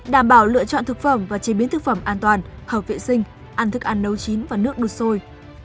đảm bảo lựa chọn thực phẩm và chế biến thực phẩm an toàn hợp vệ sinh ăn thức ăn nấu chín và nước đu sôi